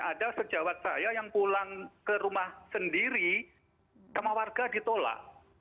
ada sejawat saya yang pulang ke rumah sendiri sama warga ditolak